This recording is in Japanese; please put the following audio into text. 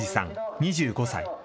２５歳。